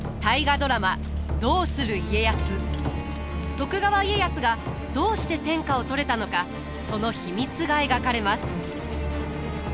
徳川家康がどうして天下を取れたのかその秘密が描かれます。